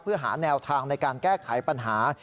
เพื่อหาแนวทางในการแก้ไขปัญหา